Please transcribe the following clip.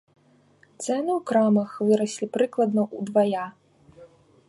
Цэны ў крамах выраслі прыкладна ўдвая.